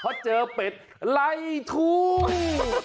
เพราะเจอเป็ดไล่ทุ่ง